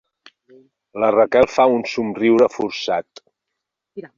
La Raquel fa un somriure forçat.